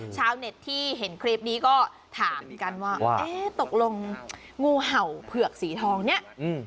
ชาวเน็ตที่เห็นคลิปนี้ก็ถามกันว่าเอ๊ะตกลงงูเห่าเผือกสีทองเนี่ย